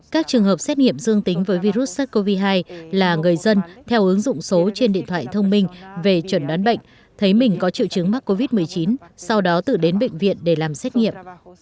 các trường hợp xét nghiệm dương tính với virus sars cov hai là người dân theo ứng dụng số trên điện thoại thông minh về chuẩn đoán bệnh thấy mình có triệu chứng mắc covid một mươi chín sau đó tự đến bệnh viện để làm xét nghiệm